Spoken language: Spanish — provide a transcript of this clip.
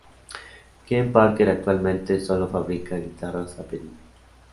Ken Parker actualmente solo fabrica guitarras a pedido.